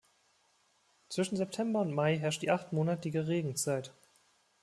Zwischen September und Mai herrscht die achtmonatige Regenzeit.